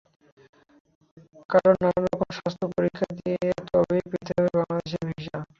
কারণ, নানা রকম স্বাস্থ্য পরীক্ষা দিয়ে তবেই পেতে হবে বাংলাদেশের ভিসা।